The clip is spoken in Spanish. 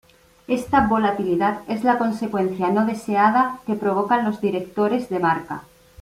Esta volatilidad es la consecuencia no deseada que provocan los directores de marca.